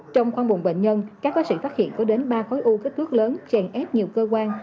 trong khoang bồng bệnh nhân các bác sĩ phát hiện có đến ba khối u kích thước lớn chèn ép nhiều cơ quan